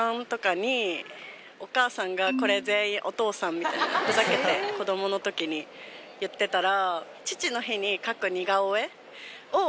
みたいなふざけて子供の時に言ってたら。